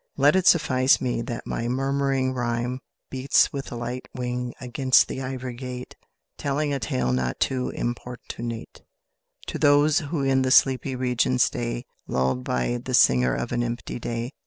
Let it suffice me that my murmuring rhyme Beats with light wing against the ivory gate, Telling a tale not too importunate To those who in the sleepy region stay, Lulled by the singer of an empty day.